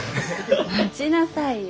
待ちなさいよ！